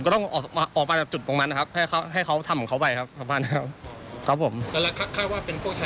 ยุคนี้มันเป็นยุคโซเชียลนะครับเพราะว่าอยากจะทำอะไรเขาก็โชว์